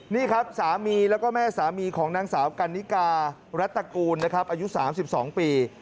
นี่ครับสามีและแม่สามีของนางสาวกัณฑิการัฐกูลอายุ๓๒ปี